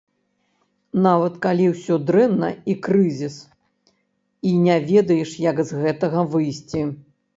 Нават калі ўсё дрэнна і крызіс, і не ведаеш, як з гэтага выйсці.